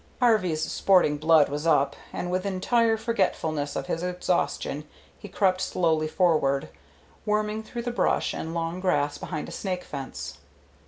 Harvey's sporting blood was up, and with entire forgetfulness of his exhaustion he crept slowly forward, worming through the brush and long grass behind a snake fence.